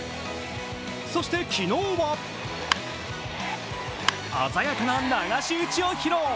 そして昨日は鮮やかな流し打ちを披露。